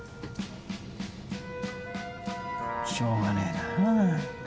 しょうがねえなぁ。